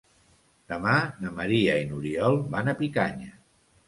Demà na Maria i n'Oriol van a Picanya.